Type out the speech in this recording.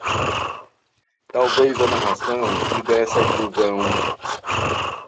Talvez a narração me desse a ilusão